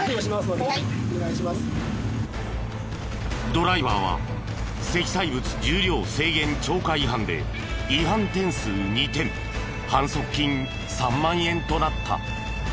ドライバーは積載物重量制限超過違反で違反点数２点反則金３万円となった。